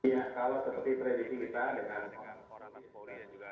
ya kalau seperti prediksinya dengan orang orang yang juga